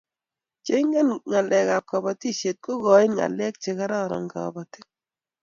che ng'en ngalek ab kabatishiet koigain ngalek che kararan kabatik